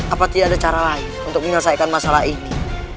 apa tidak ada cara lain untuk menyelesaikan masalah ini